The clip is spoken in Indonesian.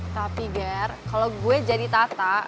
tapi ger kalau gue jadi tata